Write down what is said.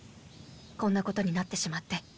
こんなことになってしまって。